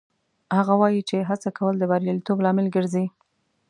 هغه وایي چې هڅه کول د بریالیتوب لامل ګرځي